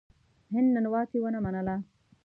هغه ننواتې ونه منله.